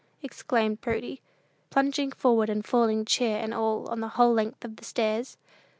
exclaimed Prudy, plunging forward and falling, chair and all, the whole length of the stairs.